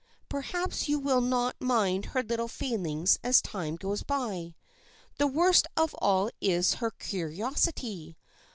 perhaps you will not mind her little failings as time goes by. The worst of all is her curiosity.